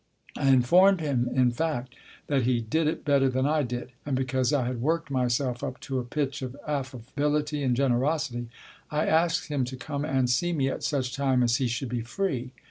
(I informed him, in fact, that he " did it " better than I did) ; and because I had worked myself up to a pitch of affability and generosity, I asked him to come and see me at such time as he should be free.